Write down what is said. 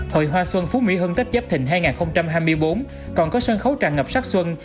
hội hoa xuân phú mỹ hưng tết giáp thịnh hai nghìn hai mươi bốn còn có sân khấu tràn ngập sát xuân